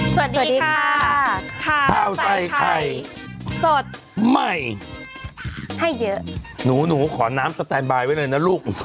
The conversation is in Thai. สวัสดีค่ะข้าวใส่ไข่สดใหม่ให้เยอะหนูหนูขอน้ำสแตนบายไว้เลยนะลูก